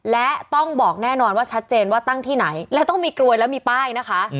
และต้องบอกแน่นอนว่าชัดเจนว่าตั้งที่ไหนและต้องมีกรวยและมีป้ายนะคะ